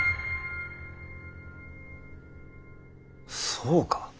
そうか。